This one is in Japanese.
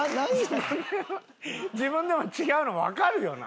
自分でも違うのわかるよな？